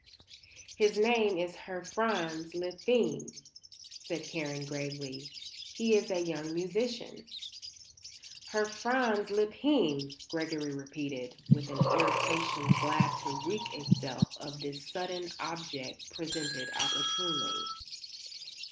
"His name is Herr Franz Lippheim," said Karen, gravely. "He is a young musician." "Herr Franz Lippheim," Gregory repeated, with an irritation glad to wreak itself on this sudden object presented opportunely.